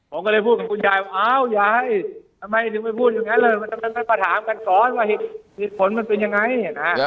ผมก็เลยพูดกับคุณยายว่า้าวยายทำไมถึงไปพูดอย่างนั้นเลย